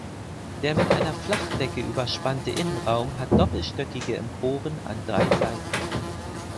Der mit einer Flachdecke überspannte Innenraum hat doppelstöckige Emporen an drei Seiten.